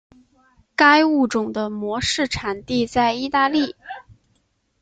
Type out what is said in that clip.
该物种的模式产地在意大利。